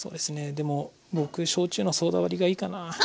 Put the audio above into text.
でも僕焼酎のソーダ割りがいいかなあ。